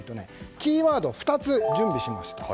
キーワードを準備しました。